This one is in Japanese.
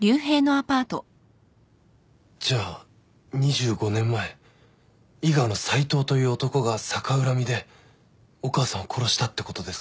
じゃあ２５年前伊賀の斉藤という男が逆恨みでお母さんを殺したってことですか？